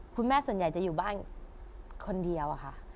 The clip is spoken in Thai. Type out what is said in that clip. คุณแม่ส่วนใหญ่จะอยู่บ้านคนเดียวค่ะ